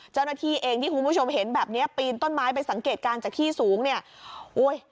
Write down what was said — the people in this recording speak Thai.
เจ้าหน้าที่เองที่คุณผู้ชมเห็นแบบเนี้ยปีนต้นไม้ไปสังเกตการณ์จากที่สูงเนี่ยโอ้ย